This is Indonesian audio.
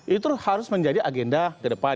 itu harus menjadi agenda kedepan